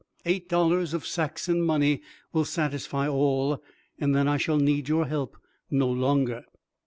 Eight dollars of Saxon money will satisfy all, and then I shall need your help no longer."